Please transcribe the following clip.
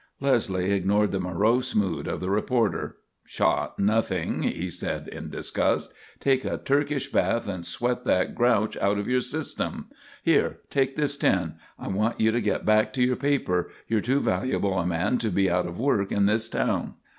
Leslie ignored the morose mood of the reporter. "Shot nothing," he said in disgust. "Take a Turkish bath and sweat that grouch out of your system. Here, take this ten. I want you to get back to your paper. You're too valuable a man to be out of work in this town."